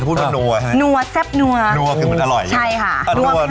เค้าพูดว่านัวใช่ไหมนัวแซ่บนัวนัวคือมันอร่อยใช่ไหมใช่ค่ะ